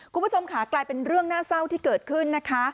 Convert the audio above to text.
คุณผู้ชมค่ะกลายเป็นเรื่องน่าเศร้าที่เกิดขึ้นนะคะ